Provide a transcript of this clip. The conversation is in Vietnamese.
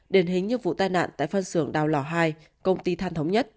đền hình như vụ tai nạn tại phân xưởng đào lò hai công ty than thống nhất